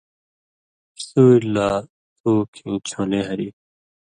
سُوریۡ لا تُھو کھیں چھون٘لے ہری،